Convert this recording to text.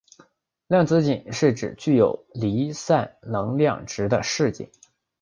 量子阱是指具有离散能量值的势阱。